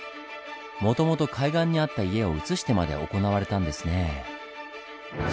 もともと海岸にあった家を移してまで行われたんですねぇ。